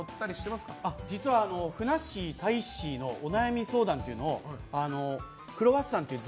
実はふなっしー、たいっしーのお悩み相談っていうのを「クロワッサン」という